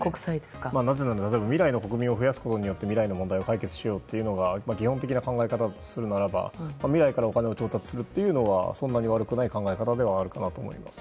なぜなら未来の国民を増やすことによって未来の問題を解決しようというのが基本的な考え方だとするなら未来からお金を調達するのはそんなに悪くない考え方じゃないかなと思います。